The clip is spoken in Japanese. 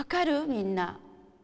みんな。